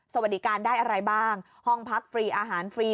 สวัสดีการได้อะไรบ้างห้องพักฟรีอาหารฟรี